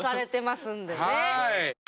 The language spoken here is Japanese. はい。